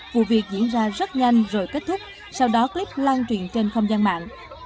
vụ việc diễn ra rất nhanh rồi kết thúc sau đó clip lan truyền trên không gian mạng